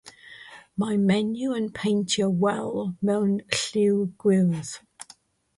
Mae menyw yn paentio wal mewn lliw gwyrdd.